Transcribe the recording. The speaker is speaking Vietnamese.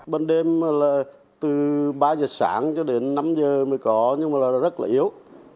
bên đêm là từ ba giờ sáng cho đến năm giờ mới có nhưng mà là rất là yếu